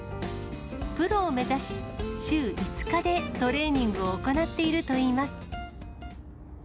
プロを目指し、週５日でトレーニングを行っているといいます。